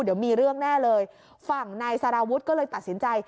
เดี๋ยวมีเรื่องแน่เลยฝั่งนายสารวุฒิก็เลยตัดสินใจ